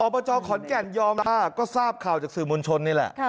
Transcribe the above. บจขอนแก่นยอมรับก็ทราบข่าวจากสื่อมวลชนนี่แหละ